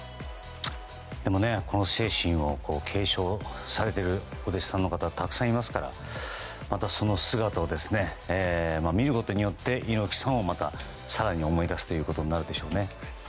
でもね、この精神を継承されているお弟子さんの方たくさんいらっしゃいますからまたその姿を見ることによって猪木さんをまた更に思い出すということになるでしょうね。